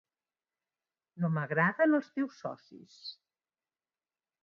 No m'agraden els teus socis.